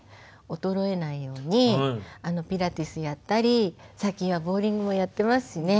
衰えないようにピラティスやったり最近はボウリングもやってますしね。